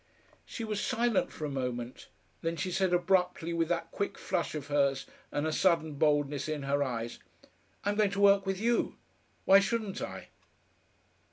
She was silent for a moment. Then she said abruptly, with that quick flush of hers and a sudden boldness in her eyes: "I'm going to work with you. Why shouldn't I?"